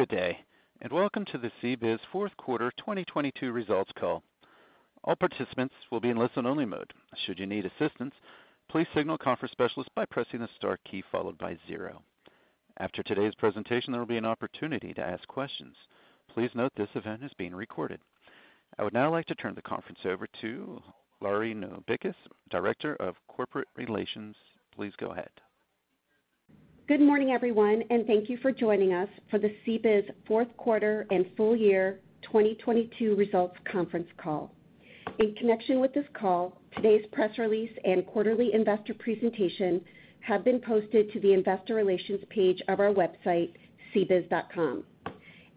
Good day, and welcome to the CBIZ fourth quarter 2022 results call. All participants will be in listen only mode. Should you need assistance, please signal a conference specialist by pressing the star key followed by 0. After today's presentation, there will be an opportunity to ask questions. Please note this event is being recorded. I would now like to turn the conference over to Lori Novickis, Director of Corporate Relations. Please go ahead. Good morning, everyone, and thank you for joining us for the CBIZ fourth quarter and full year 2022 results conference call. In connection with this call, today's press release and quarterly investor presentation have been posted to the investor relations page of our website, cbiz.com.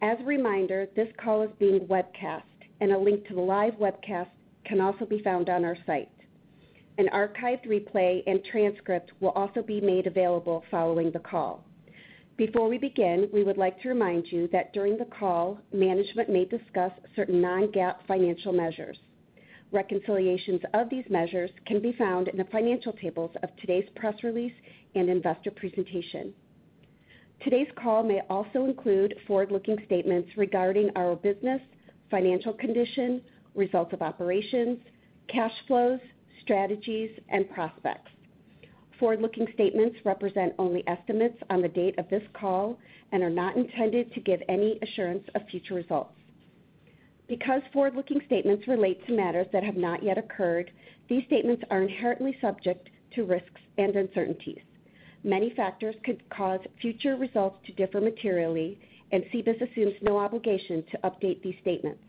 As a reminder, this call is being webcast, and a link to the live webcast can also be found on our site. An archived replay and transcript will also be made available following the call. Before we begin, we would like to remind you that during the call, management may discuss certain non-GAAP financial measures. Reconciliations of these measures can be found in the financial tables of today's press release and investor presentation. Today's call may also include forward-looking statements regarding our business, financial condition, results of operations, cash flows, strategies, and prospects. Forward-looking statements represent only estimates on the date of this call and are not intended to give any assurance of future results. Because forward-looking statements relate to matters that have not yet occurred, these statements are inherently subject to risks and uncertainties. Many factors could cause future results to differ materially, CBIZ assumes no obligation to update these statements.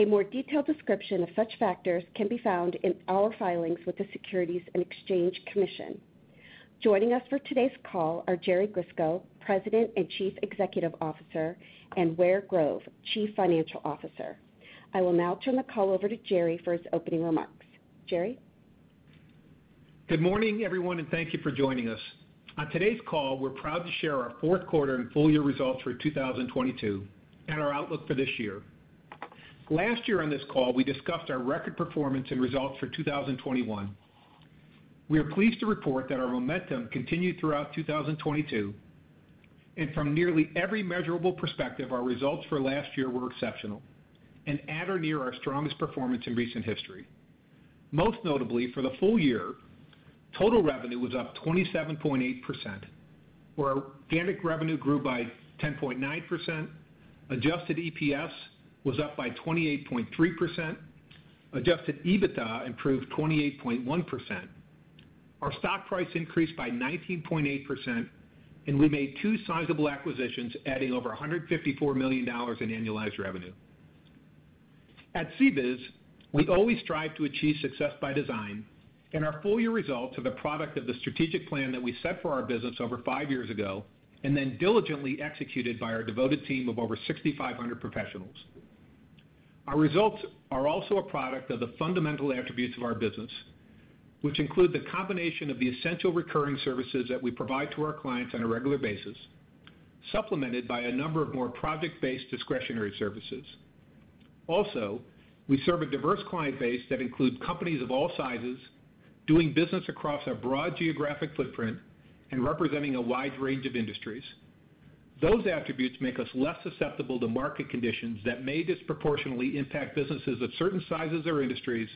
A more detailed description of such factors can be found in our filings with the Securities and Exchange Commission. Joining us for today's call are Jerome Grisko, President and Chief Executive Officer, and Ware Grove, Chief Financial Officer. I will now turn the call over to Jerry for his opening remarks. Jerry? Good morning, everyone. Thank you for joining us. On today's call, we're proud to share our fourth quarter and full year results for 2022 and our outlook for this year. Last year on this call, we discussed our record performance and results for 2021. We are pleased to report that our momentum continued throughout 2022, and from nearly every measurable perspective, our results for last year were exceptional and at or near our strongest performance in recent history. Most notably, for the full year, total revenue was up 27.8%, where organic revenue grew by 10.9%, Adjusted earnings per share was up by 28.3%, Adjusted EBITDA improved 28.1%. Our stock price increased by 19.8%, and we made two sizable acquisitions, adding over $154 million in annualized revenue. At CBIZ, we always strive to achieve success by design, and our full year results are the product of the strategic plan that we set for our business over five years ago and then diligently executed by our devoted team of over 6,500 professionals. Our results are also a product of the fundamental attributes of our business, which include the combination of the essential recurring services that we provide to our clients on a regular basis, supplemented by a number of more project-based discretionary services. Also, we serve a diverse client base that includes companies of all sizes, doing business across a broad geographic footprint and representing a wide range of industries. Those attributes make us less susceptible to market conditions that may disproportionately impact businesses of certain sizes or industries,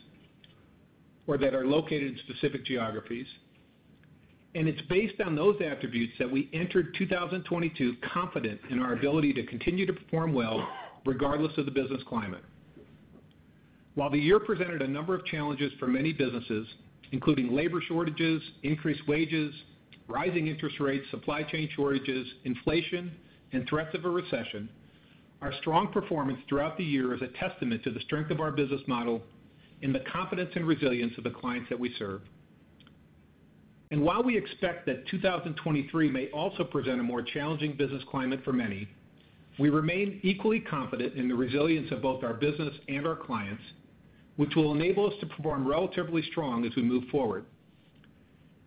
or that are located in specific geographies. It's based on those attributes that we entered 2022 confident in our ability to continue to perform well regardless of the business climate. While the year presented a number of challenges for many businesses, including labor shortages, increased wages, rising interest rates, supply chain shortages, inflation, and threats of a recession, our strong performance throughout the year is a testament to the strength of our business model and the confidence and resilience of the clients that we serve. While we expect that 2023 may also present a more challenging business climate for many, we remain equally confident in the resilience of both our business and our clients, which will enable us to perform relatively strong as we move forward.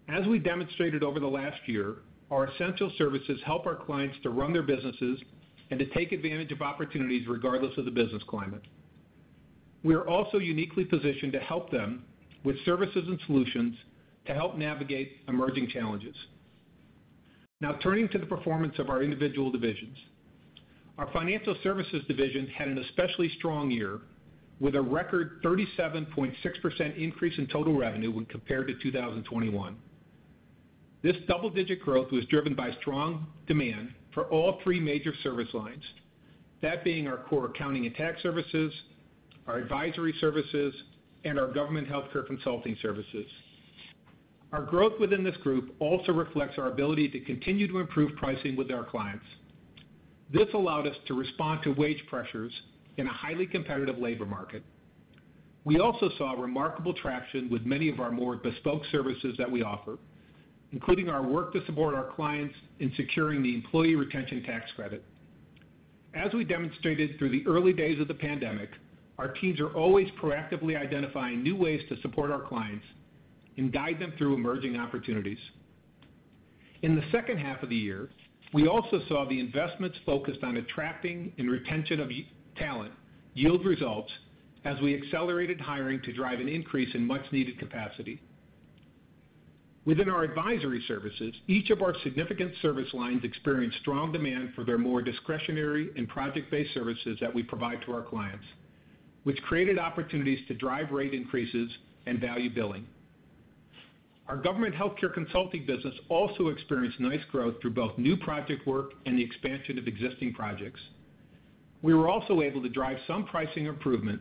As we demonstrated over the last year, our essential services help our clients to run their businesses and to take advantage of opportunities regardless of the business climate. We are also uniquely positioned to help them with services and solutions to help navigate emerging challenges. Turning to the performance of our individual divisions. Our financial services division had an especially strong year with a record 37.6% increase in total revenue when compared to 2021. This double-digit growth was driven by strong demand for all three major service lines, that being our core accounting and tax services, our advisory services, and our government healthcare consulting services. Our growth within this group also reflects our ability to continue to improve pricing with our clients. This allowed us to respond to wage pressures in a highly competitive labor market. We saw remarkable traction with many of our more bespoke services that we offer, including our work to support our clients in securing the Employee Retention tax credit. We demonstrated through the early days of the pandemic, our teams are always proactively identifying new ways to support our clients and guide them through emerging opportunities. In the second half of the year, we also saw the investments focused on attracting and retention of talent yield results as we accelerated hiring to drive an increase in much needed capacity. Within our advisory services, each of our significant service lines experienced strong demand for their more discretionary and project-based services that we provide to our clients, which created opportunities to drive rate increases and value billing. Our government healthcare consulting business also experienced nice growth through both new project work and the expansion of existing projects. We were also able to drive some pricing improvement,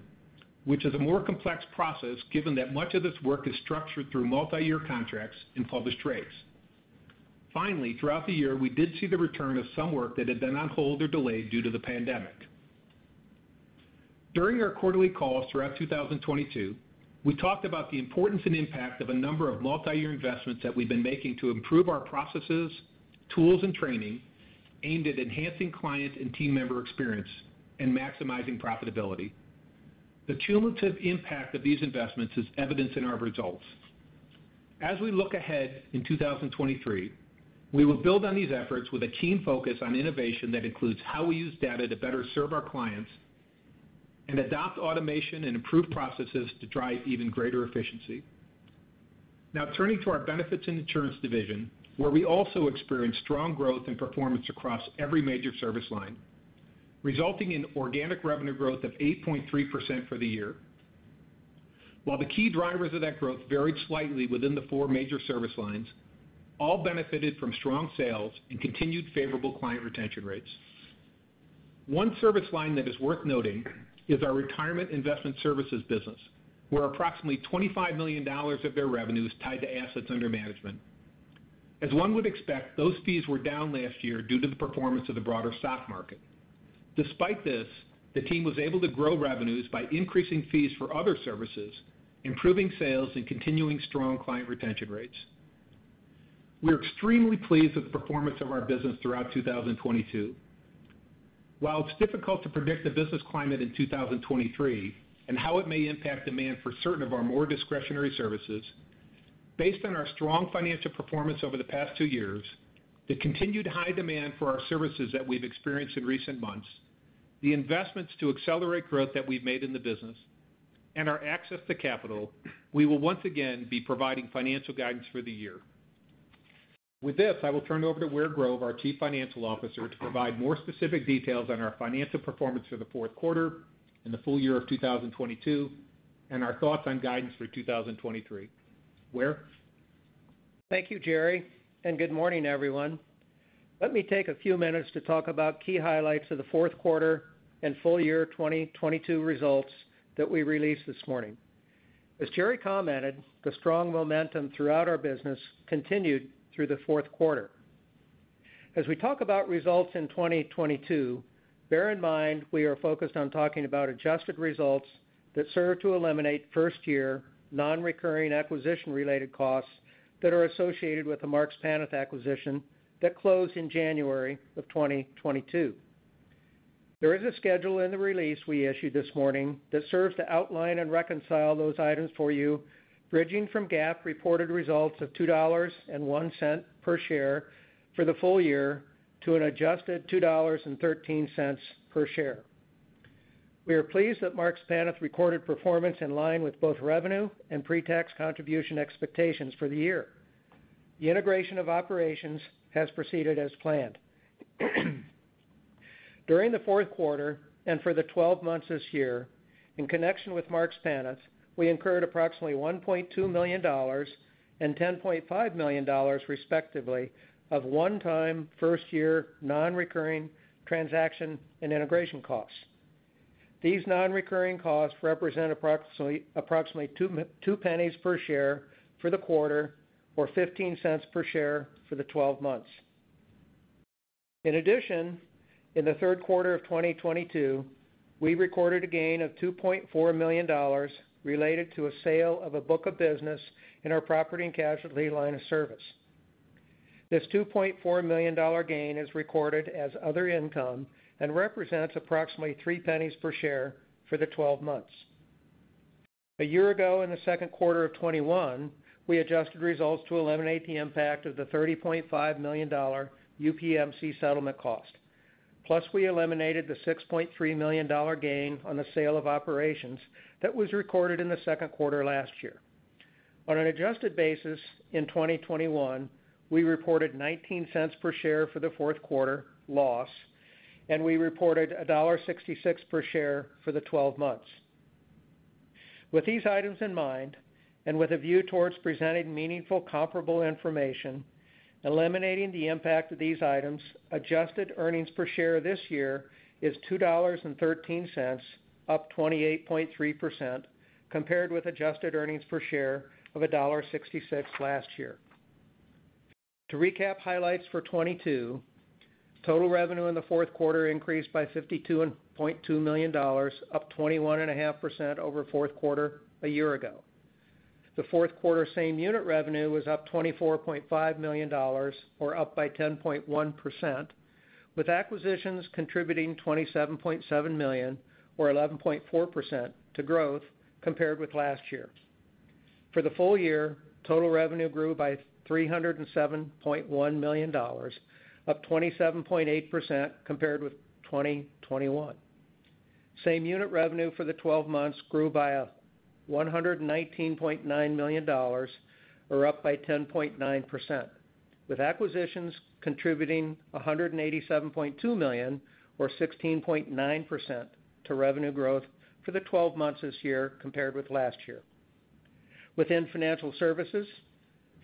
which is a more complex process given that much of this work is structured through multi-year contracts and published rates. Finally, throughout the year, we did see the return of some work that had been on hold or delayed due to the pandemic. During our quarterly calls throughout 2022, we talked about the importance and impact of a number of multi-year investments that we've been making to improve our processes, tools and training aimed at enhancing client and team member experience and maximizing profitability. The cumulative impact of these investments is evidenced in our results. As we look ahead in 2023, we will build on these efforts with a keen focus on innovation that includes how we use data to better serve our clients and adopt automation and improved processes to drive even greater efficiency. Turning to our benefits and insurance division, where we also experienced strong growth and performance across every major service line, resulting in organic revenue growth of 8.3% for the year. While the key drivers of that growth varied slightly within the four major service lines, all benefited from strong sales and continued favorable client retention rates. One service line that is worth noting is our retirement investment services business, where approximately $25 million of their revenue is tied to Assets Under Management. As one would expect, those fees were down last year due to the performance of the broader stock market. Despite this, the team was able to grow revenues by increasing fees for other services, improving sales and continuing strong client retention rates. We are extremely pleased with the performance of our business throughout 2022. While it's difficult to predict the business climate in 2023 and how it may impact demand for certain of our more discretionary services, based on our strong financial performance over the past two years, the continued high demand for our services that we've experienced in recent months, the investments to accelerate growth that we've made in the business, and our access to capital, we will once again be providing financial guidance for the year. With this, I will turn it over to Ware Grove, our Chief Financial Officer, to provide more specific details on our financial performance for the fourth quarter and the full year of 2022 and our thoughts on guidance for 2023. Ware? Thank you, Jerry, good morning, everyone. Let me take a few minutes to talk about key highlights of the fourth quarter and full year 2022 results that we released this morning. As Jerry commented, the strong momentum throughout our business continued through the fourth quarter. As we talk about results in 2022, bear in mind we are focused on talking about adjusted results that serve to eliminate first year non-recurring acquisition related costs that are associated with the Marks Paneth acquisition that closed in January of 2022. There is a schedule in the release we issued this morning that serves to outline and reconcile those items for you, bridging from GAAP reported results of $2.01 per share for the full year to an adjusted $2.13 per share. We are pleased that Marks Paneth recorded performance in line with both revenue and pre-tax contribution expectations for the year. The integration of operations has proceeded as planned. During the fourth quarter and for the 12 months this year, in connection with Marks Paneth, we incurred approximately $1.2 million and $10.5 million respectively of one-time first year non-recurring transaction and integration costs. These non-recurring costs represent approximately $0.02 per share for the quarter or $0.15 per share for the 12 months. In addition, in the third quarter of 2022, we recorded a gain of $2.4 million related to a sale of a book of business in our property and casualty line of service. This $2.4 million gain is recorded as other income and represents approximately $0.03 per share for the 12 months. A year ago in the second quarter of 2021, we adjusted results to eliminate the impact of the $30.5 million UPMC settlement cost, plus we eliminated the $6.3 million gain on the sale of operations that was recorded in the second quarter last year. On an adjusted basis in 2021, we reported $0.19 per share for the fourth quarter loss, and we reported $1.66 per share for the 12 months. With these items in mind, and with a view towards presenting meaningful comparable information, eliminating the impact of these items, Adjusted earnings per share this year is $2.13, up 28.3%, compared with Adjusted earnings per share of $1.66 last year. To recap highlights for 2022, total revenue in the fourth quarter increased by $52.2 million, up 21.5% over fourth quarter a year ago. The fourth quarter same-unit revenue was up $24.5 million, or up by 10.1%, with acquisitions contributing $27.7 million or 11.4% to growth compared with last year. For the full year, total revenue grew by $307.1 million, up 27.8% compared with 2021. Same-unit revenue for the 12 months grew by $119.9 million, or up by 10.9%, with acquisitions contributing $187.2 million, or 16.9% to revenue growth for the 12 months this year compared with last year. Within financial services,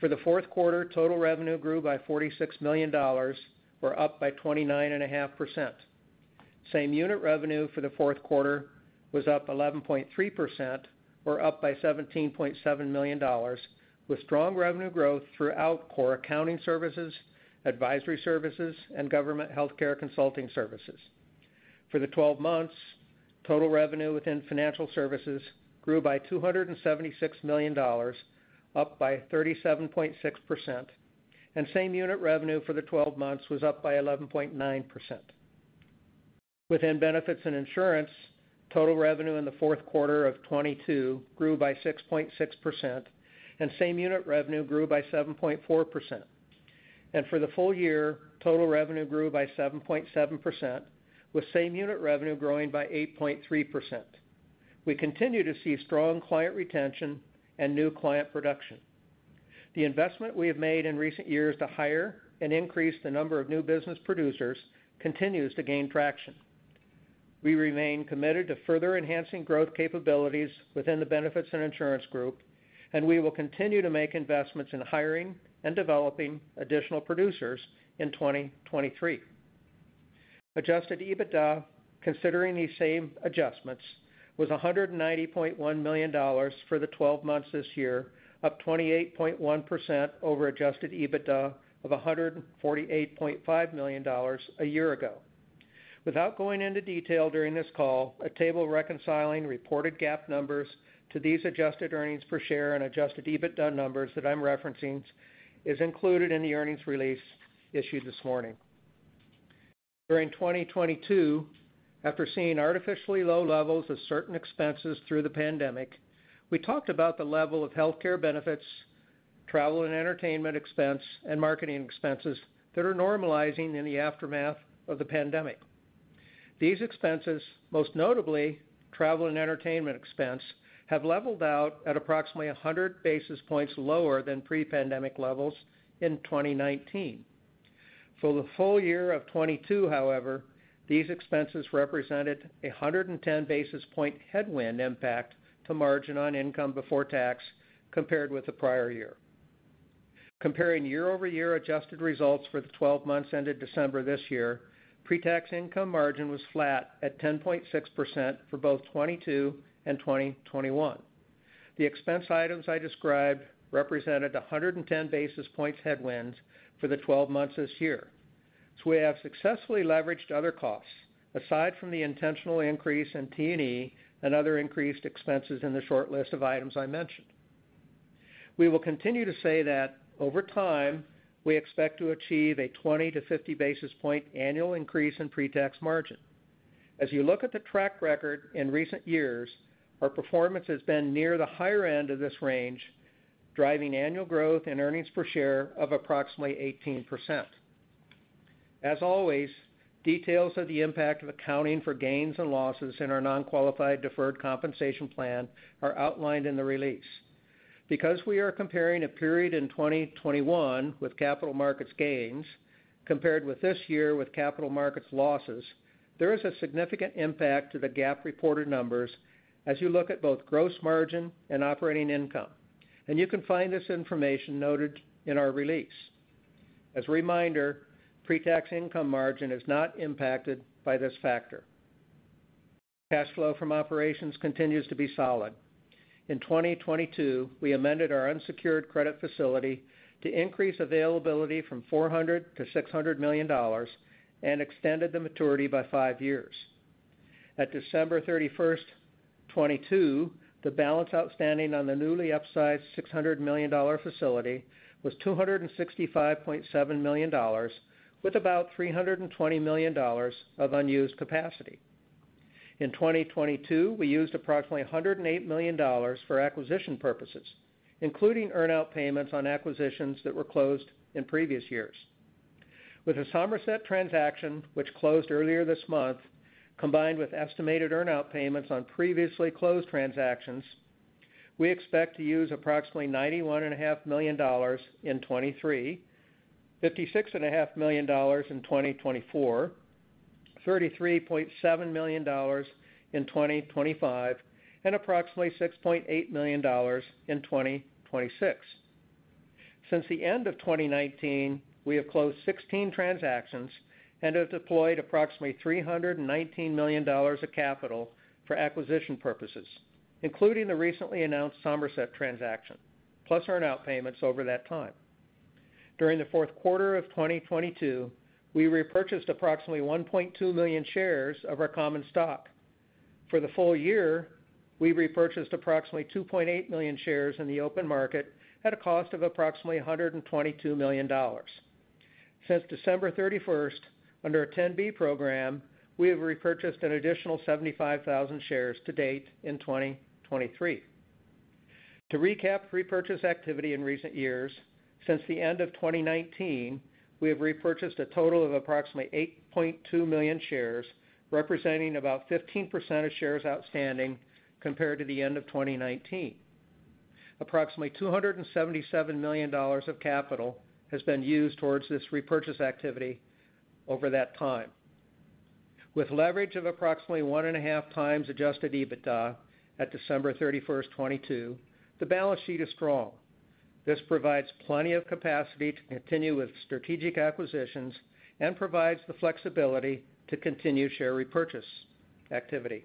for the fourth quarter, total revenue grew by $46 million, or up by 29.5%. Same-unit revenue for the fourth quarter was up 11.3%, or up by $17.7 million, with strong revenue growth throughout core accounting services, advisory services, and government healthcare consulting services. For the 12 months, total revenue within financial services grew by $276 million, up by 37.6%. Same-unit revenue for the 12 months was up by 11.9%. Within benefits and insurance, total revenue in the fourth quarter of 2022 grew by 6.6%. Same-unit revenue grew by 7.4%. For the full year, total revenue grew by 7.7%, with same-unit revenue growing by 8.3%. We continue to see strong client retention and new client production. The investment we have made in recent years to hire and increase the number of new business producers continues to gain traction. We remain committed to further enhancing growth capabilities within the benefits and insurance group. We will continue to make investments in hiring and developing additional producers in 2023. Adjusted EBITDA, considering these same adjustments, was $190.1 million for the 12 months this year, up 28.1% over Adjusted EBITDA of $148.5 million a year ago. Without going into detail during this call, a table reconciling reported GAAP numbers to these Adjusted earnings per share and Adjusted EBITDA numbers that I'm referencing is included in the earnings release issued this morning. During 2022, after seeing artificially low levels of certain expenses through the pandemic, we talked about the level of healthcare benefits, travel and entertainment expense, and marketing expenses that are normalizing in the aftermath of the pandemic. These expenses, most notably travel and entertainment expense, have leveled out at approximately 100 basis points lower than pre-pandemic levels in 2019. For the full year of 2022, however, these expenses represented 110 basis point headwind impact to margin on income before tax compared with the prior year. Comparing year-over-year adjusted results for the 12 months ended December this year, pre-tax income margin was flat at 10.6% for both 2022 and 2021. The expense items I described represented 110 basis points headwinds for the 12 months this year. We have successfully leveraged other costs aside from the intentional increase in T&E and other increased expenses in the short list of items I mentioned. We will continue to say that over time, we expect to achieve a 20-50 basis point annual increase in pre-tax margin. As you look at the track record in recent years, our performance has been near the higher end of this range, driving annual growth in earnings per share of approximately 18%. As always, details of the impact of accounting for gains and losses in our non-qualified deferred compensation plan are outlined in the release. Because we are comparing a period in 2021 with capital markets gains compared with this year with capital markets losses, there is a significant impact to the GAAP reported numbers as you look at both gross margin and operating income, and you can find this information noted in our release. As a reminder, pre-tax income margin is not impacted by this factor. Cash flow from operations continues to be solid. In 2022, we amended our unsecured credit facility to increase availability from $400 million to $600 million and extended the maturity by five years. At December 31, 2022, the balance outstanding on the newly upsized $600 million facility was $265.7 million, with about $320 million of unused capacity. In 2022, we used approximately $108 million for acquisition purposes, including earn-out payments on acquisitions that were closed in previous years. With the Somerset transaction, which closed earlier this month, combined with estimated earn-out payments on previously closed transactions, we expect to use approximately $91.5 million in 2023, $56.5 million in 2024, $33.7 million in 2025, and approximately $6.8 million in 2026. Since the end of 2019, we have closed 16 transactions and have deployed approximately $319 million of capital for acquisition purposes, including the recently announced Somerset transaction, plus earn-out payments over that time. During the fourth quarter of 2022, we repurchased approximately 1.2 million shares of our common stock. For the full year, we repurchased approximately 2.8 million shares in the open market at a cost of approximately $122 million. Since December 31st, under our 10b5-1 program, we have repurchased an additional 75,000 shares to date in 2023. To recap repurchase activity in recent years, since the end of 2019, we have repurchased a total of approximately 8.2 million shares, representing about 15% of shares outstanding compared to the end of 2019. Approximately $277 million of capital has been used towards this repurchase activity over that time. With leverage of approximately 1.5 times Adjusted EBITDA at December 31st, 2022, the balance sheet is strong. This provides plenty of capacity to continue with strategic acquisitions and provides the flexibility to continue share repurchase activity.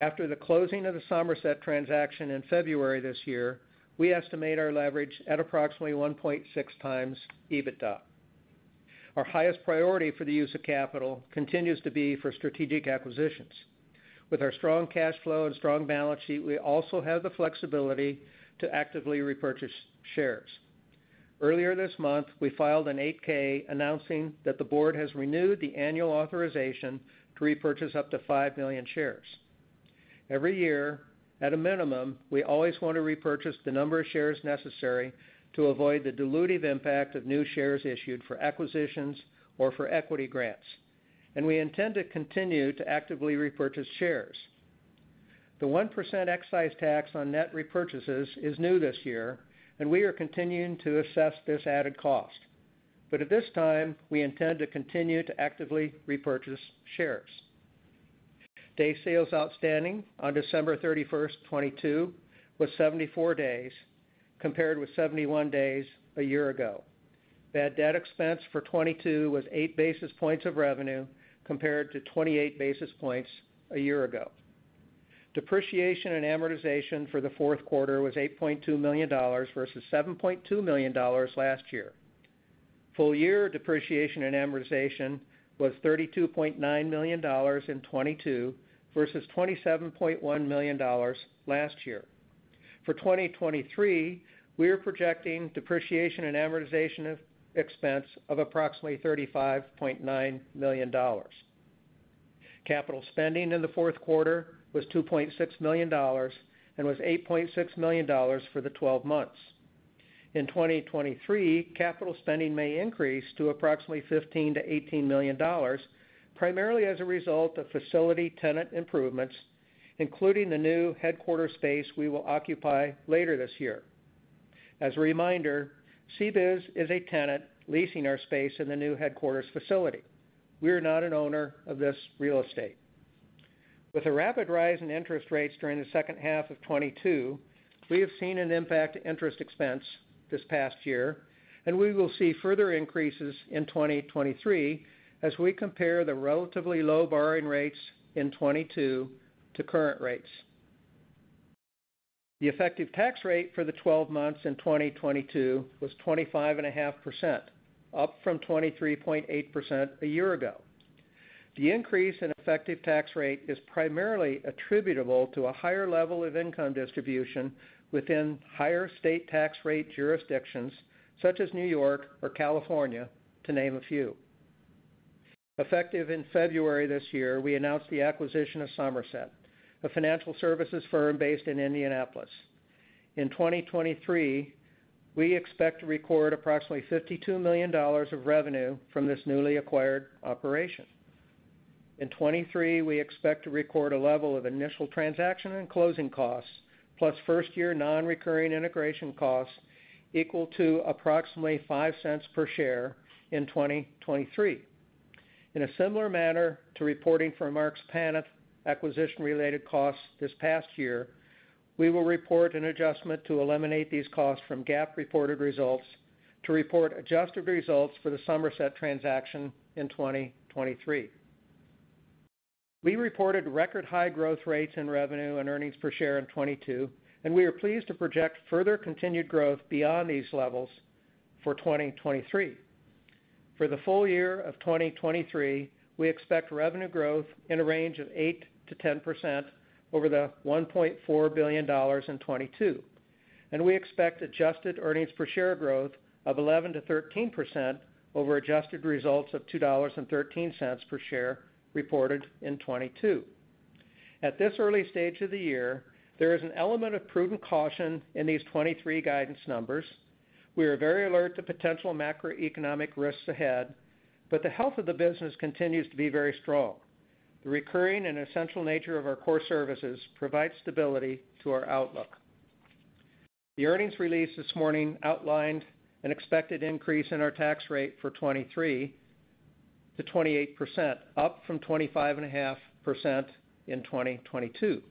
After the closing of the Somerset transaction in February this year, we estimate our leverage at approximately 1.6 times EBITDA. Our highest priority for the use of capital continues to be for strategic acquisitions. With our strong cash flow and strong balance sheet, we also have the flexibility to actively repurchase shares. Earlier this month, we filed an 8-K announcing that the board has renewed the annual authorization to repurchase up to 5 million shares. Every year, at a minimum, we always want to repurchase the number of shares necessary to avoid the dilutive impact of new shares issued for acquisitions or for equity grants, we intend to continue to actively repurchase shares. The 1% excise tax on net repurchases is new this year, we are continuing to assess this added cost. At this time, we intend to continue to actively repurchase shares. Days Sales Outstanding on December 31st, 2022 was 74 days, compared with 71 days a year ago. Bad debt expense for 2022 was 8 basis points of revenue, compared to 28 basis points a year ago. Depreciation and amortization for the fourth quarter was $8.2 million versus $7.2 million last year. Full year depreciation and amortization was $32.9 million in 2022 versus $27.1 million last year. For 2023, we are projecting depreciation and amortization expense of approximately $35.9 million. Capital spending in the fourth quarter was $2.6 million and was $8.6 million for the 12 months. In 2023, capital spending may increase to approximately $15 million-$18 million, primarily as a result of facility tenant improvements, including the new headquarters space we will occupy later this year. As a reminder, CBIZ is a tenant leasing our space in the new headquarters facility. We are not an owner of this real estate. With the rapid rise in interest rates during the second half of 2022, we have seen an impact to interest expense this past year, and we will see further increases in 2023 as we compare the relatively low borrowing rates in 2022 to current rates. The effective tax rate for the 12 months in 2022 was 25.5%, up from 23.8% a year ago. The increase in effective tax rate is primarily attributable to a higher level of income distribution within higher state tax rate jurisdictions such as New York or California, to name a few. Effective in February this year, we announced the acquisition of Somerset, a financial services firm based in Indianapolis. In 2023, we expect to record approximately $52 million of revenue from this newly acquired operation. In 2023, we expect to record a level of initial transaction and closing costs plus first year non-recurring integration costs equal to approximately $0.05 per share in 2023. In a similar manner to reporting for Marks Paneth acquisition-related costs this past year, we will report an adjustment to eliminate these costs from GAAP-reported results to report adjusted results for the Somerset transaction in 2023. We reported record high growth rates in revenue and earnings per share in 2022. We are pleased to project further continued growth beyond these levels for 2023. For the full year of 2023, we expect revenue growth in a range of 8%-10% over the $1.4 billion in 2022. We expect adjusted earnings per share growth of 11%-13% over adjusted results of $2.13 per share reported in 2022. At this early stage of the year, there is an element of prudent caution in these 2023 guidance numbers. We are very alert to potential macroeconomic risks ahead. The health of the business continues to be very strong. The recurring and essential nature of our core services provides stability to our outlook. The earnings release this morning outlined an expected increase in our tax rate for 23%–28%, up from 25 and a half percent in 2022.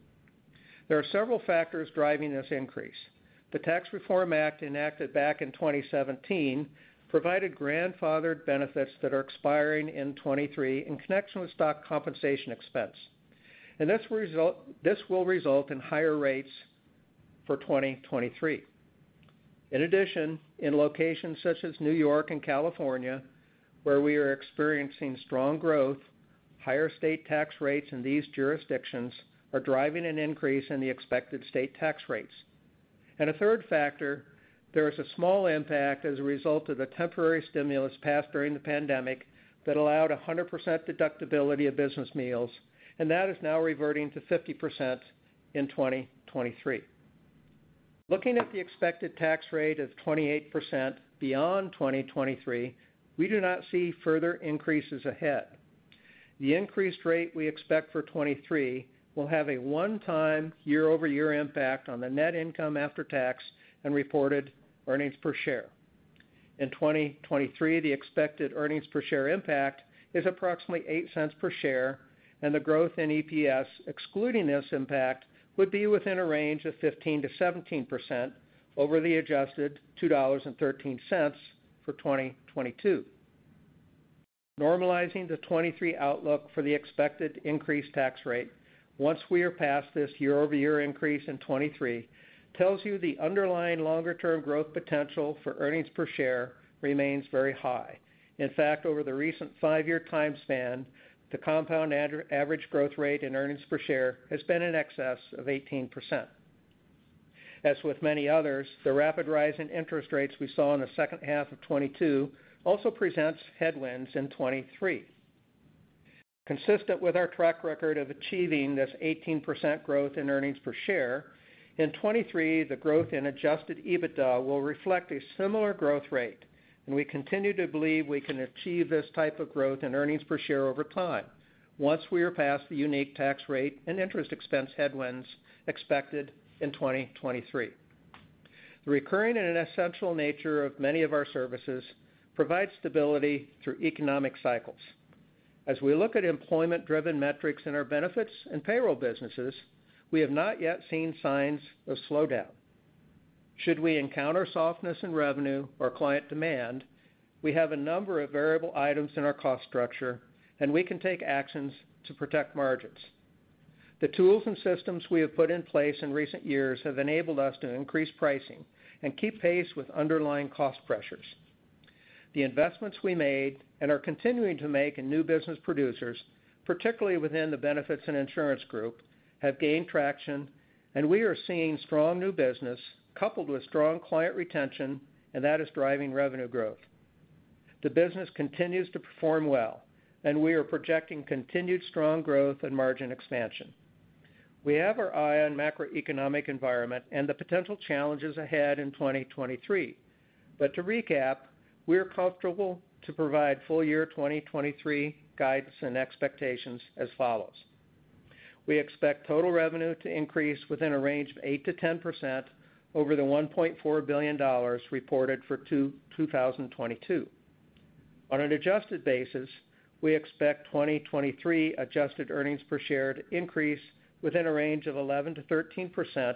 There are several factors driving this increase. The Tax Reform Act enacted back in 2017 provided grandfathered benefits that are expiring in 23 in connection with stock compensation expense. This will result in higher rates for 2023. In addition, in locations such as New York and California, where we are experiencing strong growth, higher state tax rates in these jurisdictions are driving an increase in the expected state tax rates. A third factor. There is a small impact as a result of the temporary stimulus passed during the pandemic that allowed 100% deductibility of business meals, and that is now reverting to 50% in 2023. Looking at the expected tax rate of 28% beyond 2023, we do not see further increases ahead. The increased rate we expect for 2023 will have a one-time year-over-year impact on the net income after tax and reported earnings per share. In 2023, the expected earnings per share impact is approximately $0.08 per share, and the growth in EPS, excluding this impact, would be within a range of 15%-17% over the adjusted $2.13 for 2022. Normalizing the 2023 outlook for the expected increased tax rate once we are past this year-over-year increase in 2023 tells you the underlying longer-term growth potential for earnings per share remains very high. In fact, over the recent 5-year time span, the compound average growth rate in earnings per share has been in excess of 18%. As with many others, the rapid rise in interest rates we saw in the second half of 2022 also presents headwinds in 2023. Consistent with our track record of achieving this 18% growth in earnings per share, in 2023, the growth in Adjusted EBITDA will reflect a similar growth rate. We continue to believe we can achieve this type of growth in earnings per share over time once we are past the unique tax rate and interest expense headwinds expected in 2023. The recurring and essential nature of many of our services provide stability through economic cycles. As we look at employment-driven metrics in our benefits and payroll businesses, we have not yet seen signs of slowdown. Should we encounter softness in revenue or client demand, we have a number of variable items in our cost structure. We can take actions to protect margins. The tools and systems we have put in place in recent years have enabled us to increase pricing and keep pace with underlying cost pressures. The investments we made and are continuing to make in new business producers, particularly within the benefits and insurance group, have gained traction, and we are seeing strong new business coupled with strong client retention, and that is driving revenue growth. The business continues to perform well. We are projecting continued strong growth and margin expansion. We have our eye on macroeconomic environment and the potential challenges ahead in 2023. To recap, we're comfortable to provide full year 2023 guidance and expectations as follows: We expect total revenue to increase within a range of 8%-10% over the $1.4 billion reported for 2022. On an Adjusted basis, we expect 2023 Adjusted earnings per share to increase within a range of 11%-13%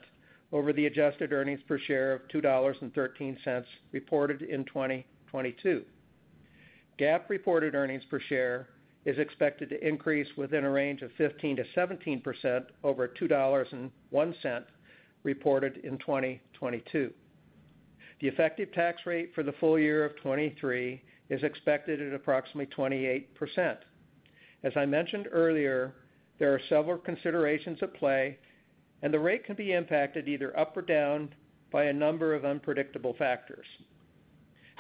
over the Adjusted earnings per share of $2.13 reported in 2022. GAAP reported earnings per share is expected to increase within a range of 15%-17% over $2.01 reported in 2022. The effective tax rate for the full year of 2023 is expected at approximately 28%. As I mentioned earlier, there are several considerations at play, the rate can be impacted either up or down by a number of unpredictable factors.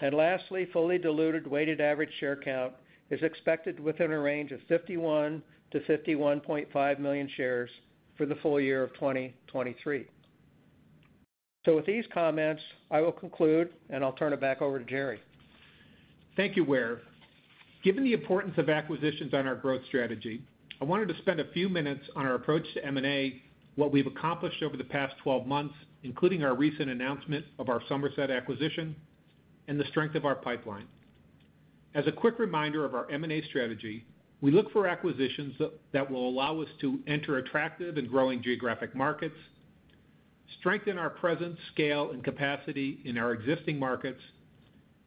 Lastly, fully diluted weighted average share count is expected within a range of 51 million-51.5 million shares for the full year of 2023. With these comments, I will conclude, and I'll turn it back over to Jerry. Thank you, Ware. Given the importance of acquisitions on our growth strategy, I wanted to spend a few minutes on our approach to M&A, what we've accomplished over the past 12 months, including our recent announcement of our Somerset acquisition, and the strength of our pipeline. As a quick reminder of our M&A strategy, we look for acquisitions that will allow us to enter attractive and growing geographic markets, strengthen our presence, scale, and capacity in our existing markets,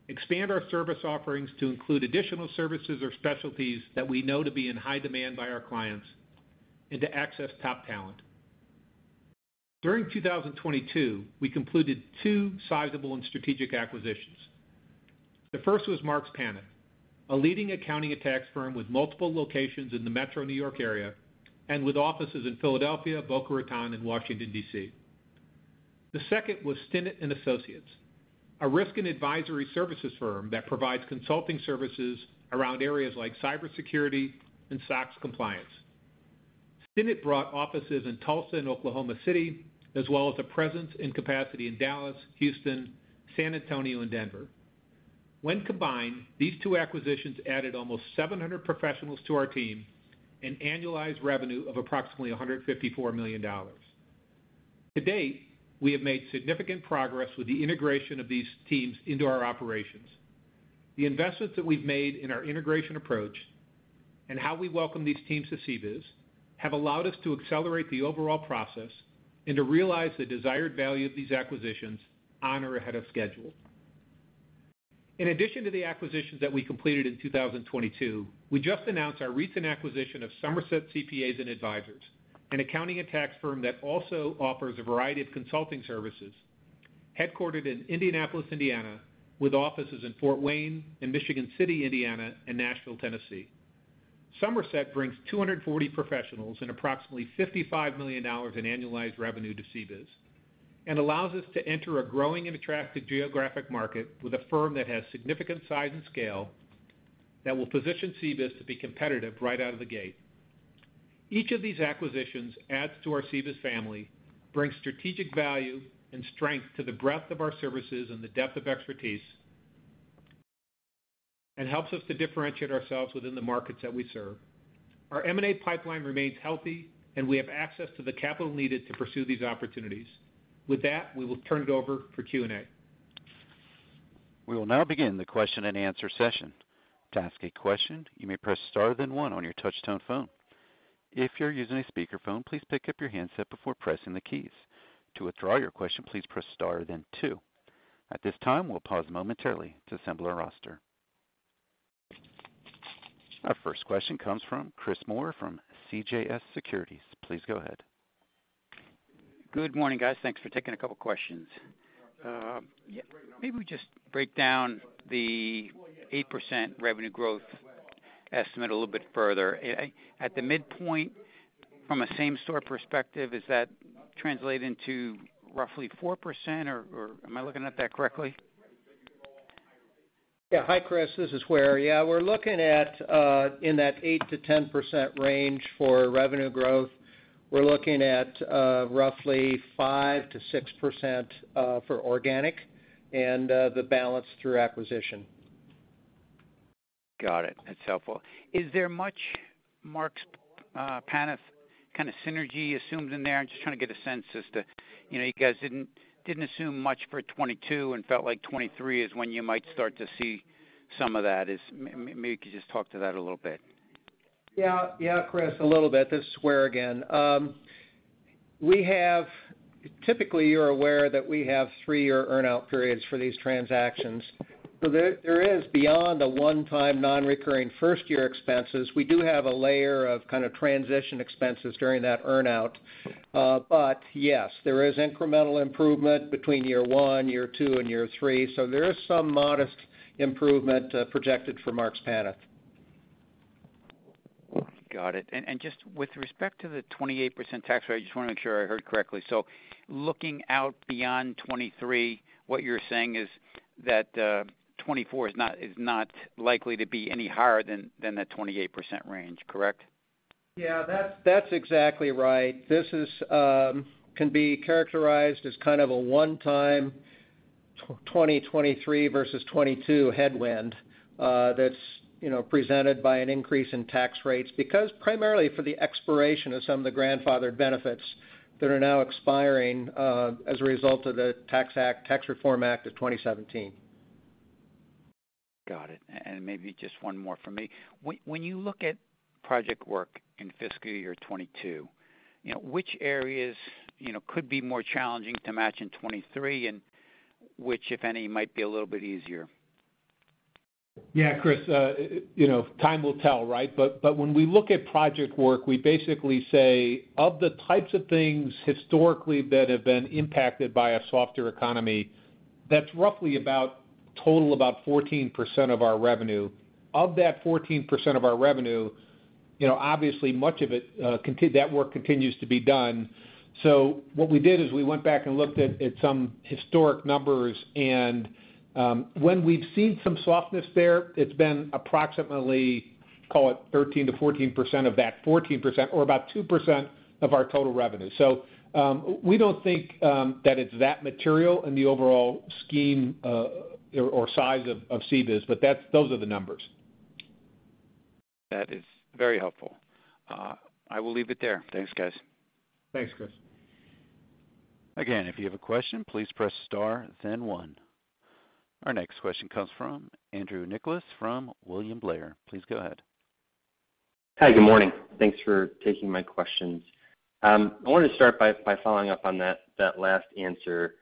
expand our service offerings to include additional services or specialties that we know to be in high demand by our clients, and to access top talent. During 2022, we completed two sizable and strategic acquisitions. The first was Marks Paneth, a leading accounting and tax firm with multiple locations in the metro New York area and with offices in Philadelphia, Boca Raton, and Washington, D.C. The second was Stinnett & Associates, a risk and advisory services firm that provides consulting services around areas like cybersecurity and SOX compliance. Stinnett brought offices in Tulsa and Oklahoma City, as well as a presence and capacity in Dallas, Houston, San Antonio, and Denver. When combined, these two acquisitions added almost 700 professionals to our team and annualized revenue of approximately $154 million. To date, we have made significant progress with the integration of these teams into our operations. The investments that we've made in our integration approach and how we welcome these teams to CBIZ have allowed us to accelerate the overall process and to realize the desired value of these acquisitions on or ahead of schedule. In addition to the acquisitions that we completed in 2022, we just announced our recent acquisition of Somerset CPAs & Advisors, an accounting and tax firm that also offers a variety of consulting services, headquartered in Indianapolis, Indiana, with offices in Fort Wayne and Michigan City, Indiana, and Nashville, Tennessee. Somerset brings 240 professionals and approximately $55 million in annualized revenue to CBIZ, allows us to enter a growing and attractive geographic market with a firm that has significant size and scale that will position CBIZ to be competitive right out of the gate. Each of these acquisitions adds to our CBIZ family, brings strategic value and strength to the breadth of our services and the depth of expertise, helps us to differentiate ourselves within the markets that we serve. Our M&A pipeline remains healthy, and we have access to the capital needed to pursue these opportunities. With that, we will turn it over for Q&A. We will now begin the question-and-answer session. To ask a question, you may press star then one on your touch-tone phone. If you're using a speakerphone, please pick up your handset before pressing the keys. To withdraw your question, please press star then two. At this time, we'll pause momentarily to assemble our roster. Our first question comes from Christopher Moore from CJS Securities. Please go ahead. Good morning, guys. Thanks for taking a couple of questions. Yeah, maybe we just break down the 8% revenue growth estimate a little bit further. At the midpoint, from a same-store perspective, is that translating to roughly 4% or am I looking at that correctly? Hi, Chris. This is Ware. We're looking at, in that 8%-10% range for revenue growth. We're looking at, roughly 5%-6%, for organic and, the balance through acquisition. Got it. That's helpful. Is there much Marks Paneth kind of synergy assumed in there? I'm just trying to get a sense as to, you know, you guys didn't assume much for 2022 and felt like 2023 is when you might start to see some of that. Maybe you could just talk to that a little bit. Yeah. Yeah, Chris, a little bit. This is Ware again. Typically, you're aware that we have three-year earn-out periods for these transactions. There is beyond the one-time non-recurring first year expenses, we do have a layer of kind of transition expenses during that earn-out. Yes, there is incremental improvement between year one, year two, and year three. There is some modest improvement, projected for Marks Paneth. Got it. Just with respect to the 28% tax rate, I just wanna make sure I heard correctly. Looking out beyond 2023, what you're saying is that, 2024 is not likely to be any higher than that 28% range, correct? Yeah, that's exactly right. This is, can be characterized as kind of a one-time 2023 versus 2022 headwind, that's, you know, presented by an increase in tax rates. Primarily for the expiration of some of the grandfathered benefits that are now expiring, as a result of the Tax Reform Act of 2017. Got it. Maybe just one more from me. When you look at project work in fiscal year 2022, you know, which areas, you know, could be more challenging to match in 2023 and which, if any, might be a little bit easier? Yeah, Chris, you know, time will tell, right? When we look at project work, we basically say, of the types of things historically that have been impacted by a softer economy, that's roughly about total about 14% of our revenue. Of that 14% of our revenue, you know, obviously, much of it, that work continues to be done. What we did is we went back and looked at some historic numbers. When we've seen some softness there, it's been approximately, call it 13%-14% of that 14% or about 2% of our total revenue. We don't think that it's that material in the overall scheme or size of CBIZ, those are the numbers. That is very helpful. I will leave it there. Thanks, guys. Thanks, Chris. Again, if you have a question, please press star then one. Our next question comes from Andrew Nicholas from William Blair. Please go ahead. Hi. Good morning. Thanks for taking my questions. I wanted to start by following up on that last answer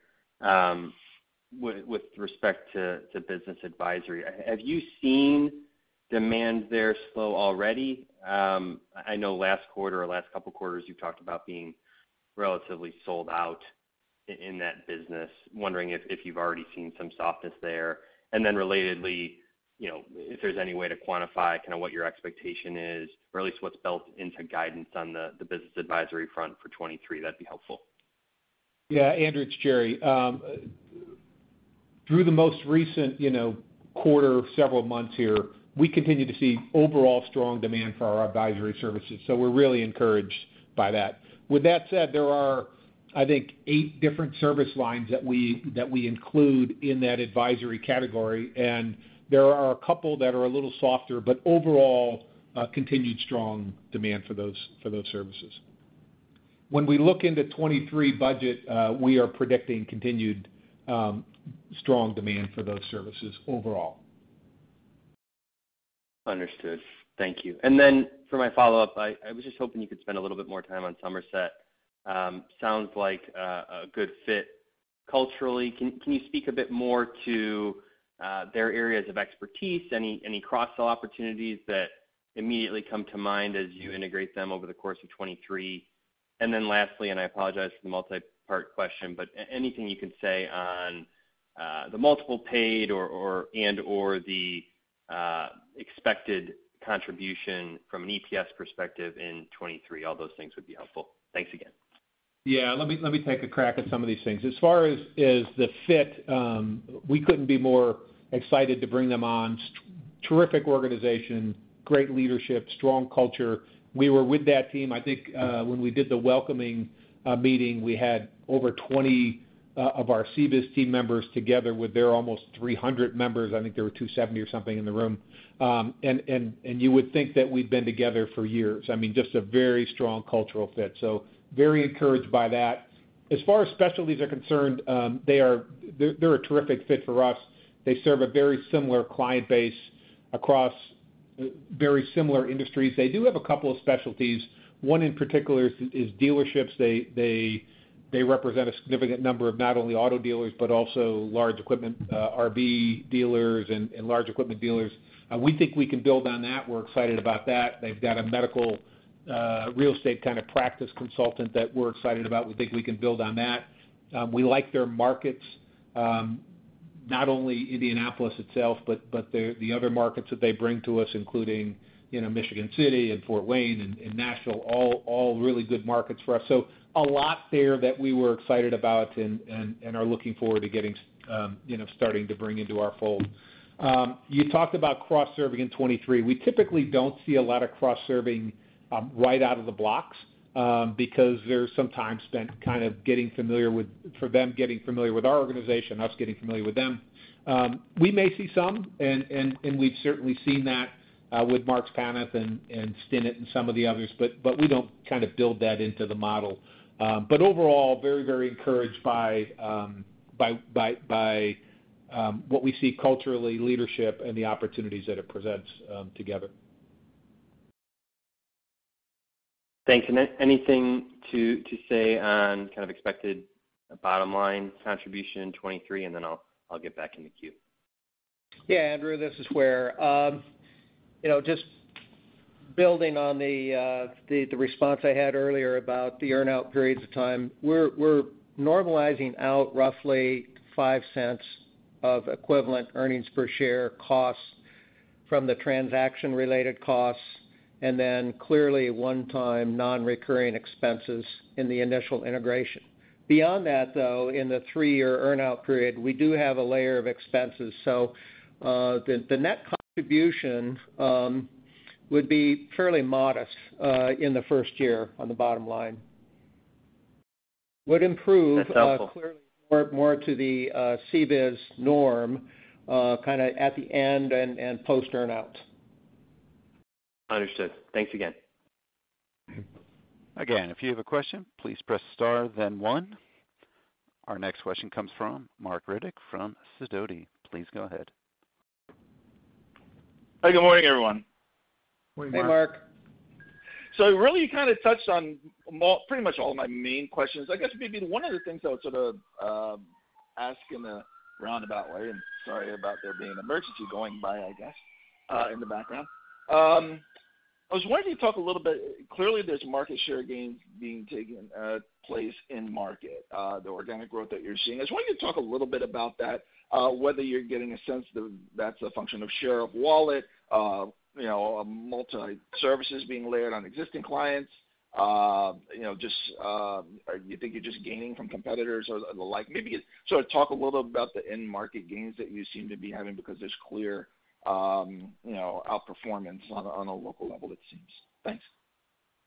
with respect to business advisory. Have you seen demand there slow already? I know last quarter or last couple quarters, you talked about being relatively sold out in that business. Wondering if you've already seen some softness there. Then relatedly, you know, if there's any way to quantify kind of what your expectation is or at least what's built into guidance on the business advisory front for 2023, that'd be helpful. Yeah. Andrew, it's Jerry. Through the most recent, you know, quarter, several months here, we continue to see overall strong demand for our advisory services. We're really encouraged by that. With that said, there are, I think, 8 different service lines that we include in that advisory category. There are a couple that are a little softer. Overall, continued strong demand for those services. When we look into 23 budget, we are predicting continued strong demand for those services overall. Understood. Thank you. For my follow-up, I was just hoping you could spend a little bit more time on Somerset. Sounds like a good fit culturally. Can you speak a bit more to their areas of expertise? Any cross-sell opportunities that immediately come to mind as you integrate them over the course of 2023? Lastly, and I apologize for the multipart question, but anything you can say on the multiple paid or and/or the expected contribution from an EPS perspective in 2023. All those things would be helpful. Thanks again. Yeah, let me take a crack at some of these things. As far as the fit, we couldn't be more excited to bring them on. Terrific organization, great leadership, strong culture. We were with that team, I think, when we did the welcoming meeting, we had over 20 of our CBIZ team members together with their almost 300 members. I think there were 270 or something in the room. You would think that we'd been together for years. I mean, just a very strong cultural fit, very encouraged by that. As far as specialties are concerned, they're a terrific fit for us. They serve a very similar client base across very similar industries. They do have a couple of specialties. One in particular is dealerships. They represent a significant number of not only auto dealers, but also large equipment, RV dealers and large equipment dealers. We think we can build on that. We're excited about that. They've got a medical, real estate kind of practice consultant that we're excited about. We think we can build on that. We like their markets, not only Indianapolis itself, but the other markets that they bring to us, including, you know, Michigan City and Fort Wayne and Nashville, all really good markets for us. A lot there that we were excited about and are looking forward to getting, you know, starting to bring into our fold. You talked about cross-serving in 23. We typically don't see a lot of cross-serving, right out of the blocks, because there's some time spent kind of getting familiar with... for them getting familiar with our organization, us getting familiar with them. We may see some, and we've certainly seen that with Marks Paneth and Stinnett and some of the others, but we don't kind of build that into the model. But overall, very, very encouraged by what we see culturally, leadership and the opportunities that it presents together. Thanks. anything to say on kind of expected bottom line contribution in 2023, and then I'll get back in the queue? Yeah, Andrew, this is Ware. You know, just building on the response I had earlier about the earn-out periods of time. We're normalizing out roughly $0.05 of equivalent earnings per share costs from the transaction-related costs, and then clearly one-time non-recurring expenses in the initial integration. Beyond that, though, in the 3-year earn-out period, we do have a layer of expenses. The net contribution would be fairly modest in the first year on the bottom line. Would improve. That's helpful. Clearly more to the CBIZ norm, kinda at the end and post-earn-out. Understood. Thanks again. Again, if you have a question, please press star then one. Our next question comes from Marc Riddick from Sidoti. Please go ahead. Hi, good morning, everyone. Morning, Marc. Hey, Marc. You really kind of touched on pretty much all my main questions. I guess maybe one of the things I'll sort of ask in a roundabout way, and sorry about there being an emergency going by, I guess, in the background. I was wondering if you talk a little bit. Clearly, there's market share gains being taken, place in market, the organic growth that you're seeing. I was wondering if you talk a little bit about that, whether you're getting a sense that that's a function of share of wallet, you know, multi-services being layered on existing clients. You know, just, you think you're just gaining from competitors or the like. Maybe sort of talk a little bit about the end market gains that you seem to be having because there's clear, you know, outperformance on a, on a local level, it seems. Thanks.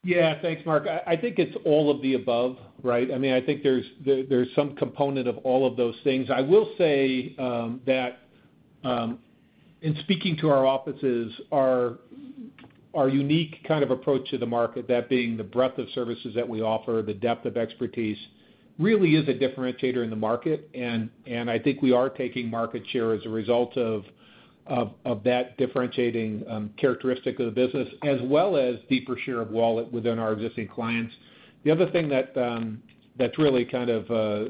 Yeah. Thanks, Marc. I think it's all of the above, right? I mean, I think there's some component of all of those things. I will say that in speaking to our offices, our unique kind of approach to the market, that being the breadth of services that we offer, the depth of expertise, really is a differentiator in the market, and I think we are taking market share as a result of that differentiating characteristic of the business, as well as deeper share of wallet within our existing clients. The other thing that's really kind of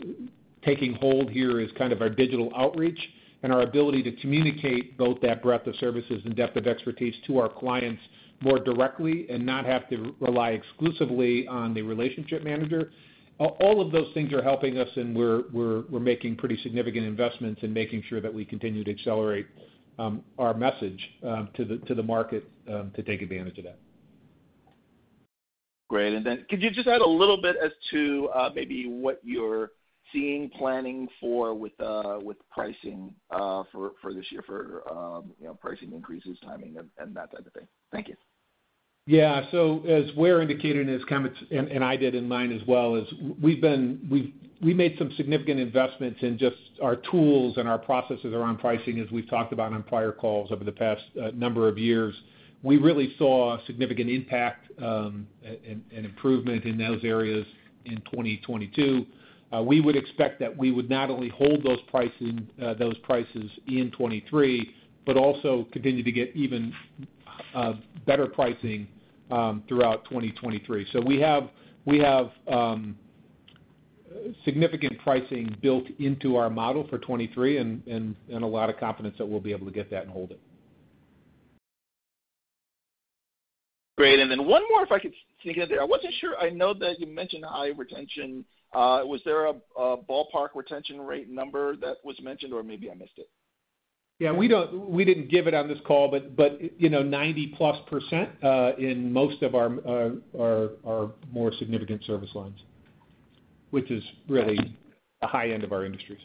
taking hold here is kind of our digital outreach and our ability to communicate both that breadth of services and depth of expertise to our clients more directly and not have to rely exclusively on the relationship manager. All of those things are helping us, we're making pretty significant investments in making sure that we continue to accelerate our message to the market to take advantage of that. Great. Could you just add a little bit as to, maybe what you're seeing planning for with pricing, for this year for, you know, pricing increases, timing and that type of thing? Thank you. Yeah. As Ware indicated in his comments, and I did in mine as well, we made some significant investments in just our tools and our processes around pricing as we've talked about on prior calls over the past number of years. We really saw significant impact, and improvement in those areas in 2022. We would expect that we would not only hold those pricing, those prices in 23, but also continue to get even better pricing throughout 23. We have significant pricing built into our model for 23 and a lot of confidence that we'll be able to get that and hold it. Great. Then one more, if I could sneak in there. I wasn't sure. I know that you mentioned high retention. Was there a ballpark retention rate number that was mentioned, or maybe I missed it? Yeah, we didn't give it on this call, but, you know, 90-plus% in most of our more significant service lines, which is really the high end of our industries.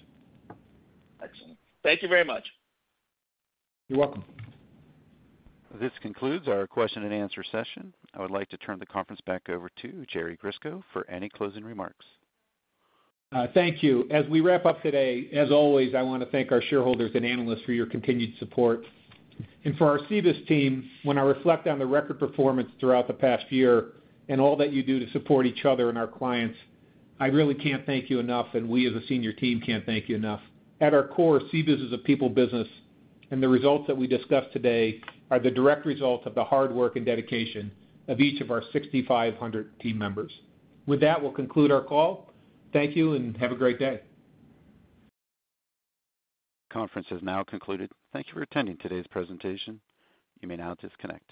Excellent. Thank you very much. You're welcome. This concludes our question and answer session. I would like to turn the conference back over to Jerome Grisko for any closing remarks. Thank you. As we wrap up today, as always, I want to thank our shareholders and analysts for your continued support. And for our CBIZ team, when I reflect on the record performance throughout the past year and all that you do to support each other and our clients, I really can't thank you enough, and we as a senior team can't thank you enough. At our core, CBIZ is a people business, and the results that we discussed today are the direct result of the hard work and dedication of each of our 6,500 team members. With that, we'll conclude our call. Thank you, and have a great day. Conference has now concluded. Thank you for attending today's presentation. You may now disconnect.